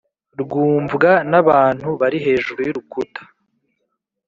rwumvwa n’abantu bari hejuru y’urukuta.»